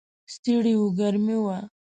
ستړي و، ګرمي وه.